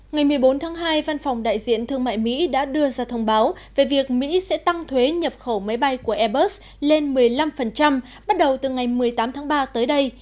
ngày một mươi bốn tháng hai văn phòng đại diện thương mại mỹ đã đưa ra thông báo về việc mỹ sẽ tăng thuế nhập khẩu máy bay của airbus lên một mươi năm bắt đầu từ ngày một mươi tám tháng ba tới đây